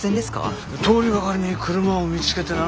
通りがかりに車を見つけてな。